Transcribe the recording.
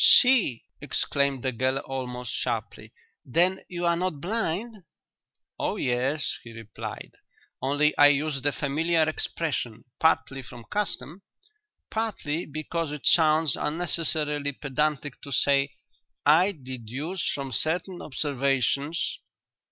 "See!" exclaimed the girl almost sharply. "Then you are not blind?" "Oh yes," he replied; "only I use the familiar expression, partly from custom, partly because it sounds unnecessarily pedantic to say, 'I deduce from certain observations.'"